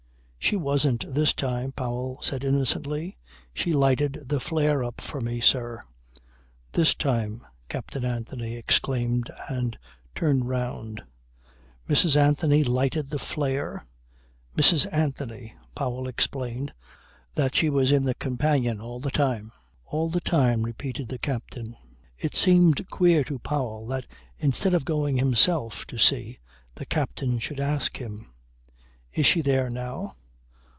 ..." "She wasn't this time," Powell said innocently: "She lighted the flare up for me, sir." "This time," Captain Anthony exclaimed and turned round. "Mrs. Anthony lighted the flare? Mrs. Anthony! ..." Powell explained that she was in the companion all the time. "All the time," repeated the captain. It seemed queer to Powell that instead of going himself to see the captain should ask him: "Is she there now?"